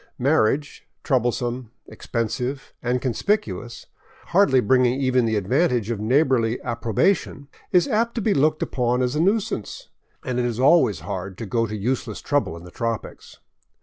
Marriage, troublesome, expensive, and conspicuous, hardly bringing even the advantage of neighborly approbation, is apt to be looked upon as a nuisance ; and it is always hard to go to useless trouble in the tropics.